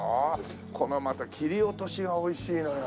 このまた切り落としが美味しいのよ。